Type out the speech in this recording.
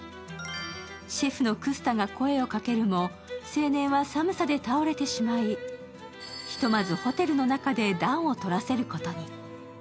シェフのクスタが声をかけるも、青年は寒さで倒れてしまい、ひとまずホテルの中で暖をとらせることに。